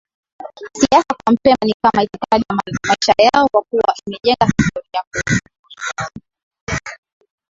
Siasa kwa Mpemba ni kama itikadi ya maisha yao kwakua imejenga historia kubwa